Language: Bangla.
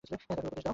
তাকে উপদেশ দাও।